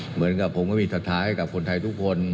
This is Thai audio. เหมือนกับผมก็มีศรัทธาให้กับคนไทยทุกคน